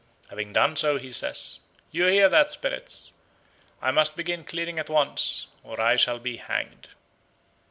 Having done so, he says: "You hear that, spirits. I must begin clearing at once, or I shall be hanged."